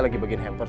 kau mau lihat kesana